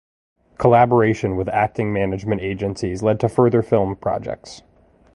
Collaboration with acting management agencies led to further film projects.